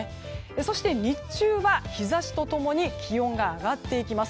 そして日中は、日差しと共に気温が上がっていきます。